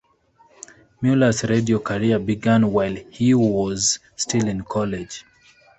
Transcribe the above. Muller's radio career began while he was still in college.